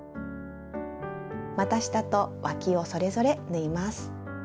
また下とわきをそれぞれ縫います。